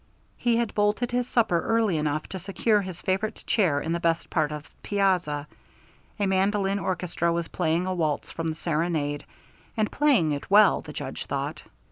He had bolted his supper early enough to secure his favorite chair in the best part of the piazza: a mandolin orchestra was playing a waltz from "The Serenade," and playing it well, the Judge thought.